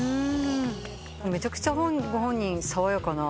めちゃくちゃご本人爽やかな。